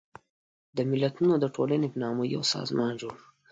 د ملتونو د ټولنې په نامه یو سازمان جوړ شو.